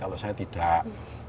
kalau saya tidak